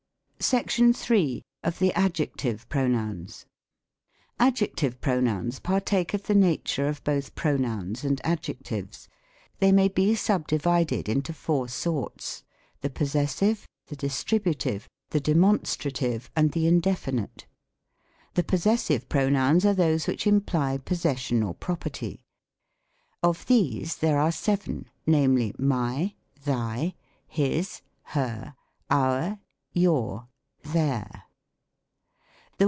SECTION III. OF THE ADJECTIVE PRONOUNS. Adjective pronouns partake of the nature of both pronouns and a>5jectives. They may be subdivided into four sorts : the possessive, the distributive, the demon strative, and the indefinite. The possessive pronouns are those which imply pos session or property. Of these there are seven; namely, my, thy, his, her, our, your, their.